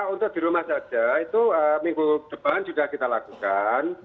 untuk di rumah saja itu minggu depan sudah kita lakukan